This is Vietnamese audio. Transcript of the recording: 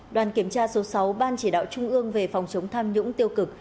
đoàn kiểm tra số sáu ban chỉ đạo trung ương về phòng chống tham nhũng tiêu cực